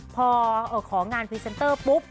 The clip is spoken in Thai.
พอของานพรีเซนเตอร์ปุ๊บ